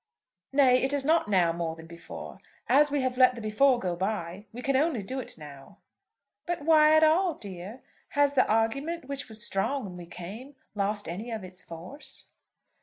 "Nay, it is not now more than before. As we have let the before go by, we can only do it now." "But why at all, dear? Has the argument, which was strong when we came, lost any of its force?"